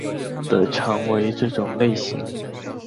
的常为这种类型。